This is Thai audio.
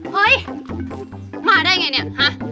เฮ้ยมาได้ไงเนี่ยฮะ